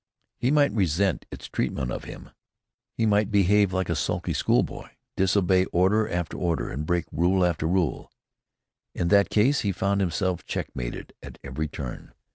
He might resent its treatment of him. He might behave like a sulky school boy, disobey order after order, and break rule after rule. In that case he found himself check mated at every turn.